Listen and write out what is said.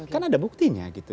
kan ada buktinya gitu